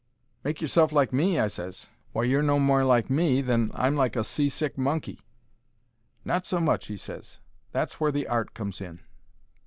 "Make yourself like me?" I ses. "Why, you're no more like me than I'm like a sea sick monkey." "Not so much," he ses. "That's where the art comes in."